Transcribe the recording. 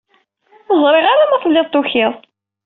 Ur ẓriɣ ara ma telliḍ tukiḍ-d.